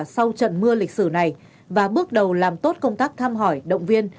sau trận mưa lịch sử này và bước đầu làm tốt công tác thăm hỏi động viên